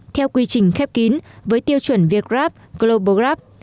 theo quy trình khép kín với tiêu chuẩn việt grab global gap